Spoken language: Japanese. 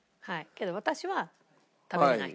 けど私は食べない。